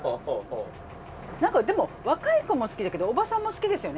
なんかでも若い子も好きだけどおばさんも好きですよね？